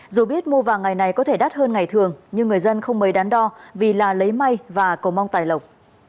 dù biết mua vàng ngày này có thể đắt hơn ngày thường nhưng người dân không mấy đáng đo vì là lấy may và cầu mong tài lộc